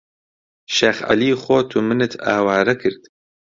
شێخ عەلی خۆت و منت ئاوارە کرد